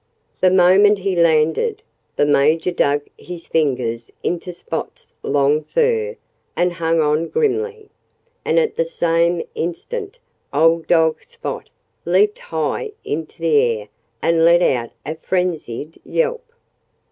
The moment he landed, the Major dug his fingers into Spot's long fur and hung on grimly. And at the same instant old dog Spot leaped high into the air and let out a frenzied yelp.